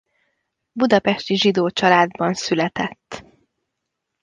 Budapesti zsidó családban született.